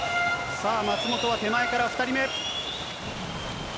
松元は手前から２人目。